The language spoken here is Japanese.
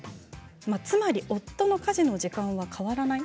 つまり夫の家事の時間は変わらない。